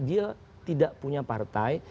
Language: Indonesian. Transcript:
dia tidak punya partai